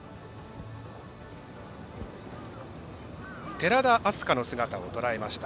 寺田明日香の姿を捉えました。